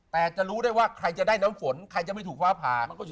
แต่จะรู้ได้ว่าใครจะได้น้ำฝนใครจะไม่ถูกฟ้าผ่า